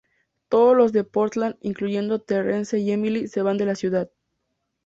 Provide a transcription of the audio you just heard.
Todos los de Portland, incluyendo a Terrence y Emily, se van de la ciudad.